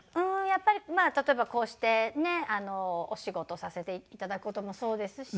やっぱり例えばこうしてねえお仕事させて頂く事もそうですし。